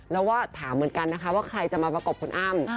แล้วก็ถามเหมือนกันนะคะว่าใครจะมาประกบคุณอ้ำ